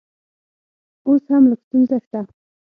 اوس هم لږ ستونزه شته